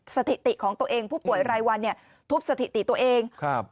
สถิติของตัวเองผู้ป่วยรายวันเนี่ยทุบสถิติตัวเองครับ